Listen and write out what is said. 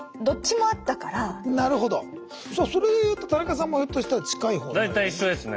さあそれで言うと田中さんもひょっとしたら近い方になるね。